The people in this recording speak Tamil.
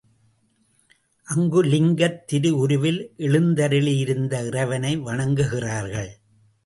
அங்கு லிங்கத் திருஉருவில் எழுந்தருளியிருந்த இறைவனை வணங்குகிறார்கள்.